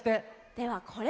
ではこれ。